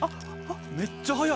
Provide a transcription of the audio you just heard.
めっちゃ早い。